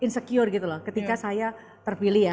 insecure gitu loh ketika saya terpilih ya